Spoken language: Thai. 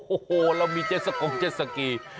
โอ้โหเรามีเจ็ดสกงเจ็ดสกี